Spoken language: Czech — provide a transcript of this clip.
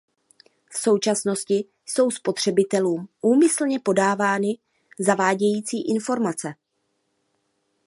V současnosti jsou spotřebitelům úmyslně podávány zavádějící informace.